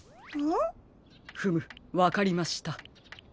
んっ？フムわかりました。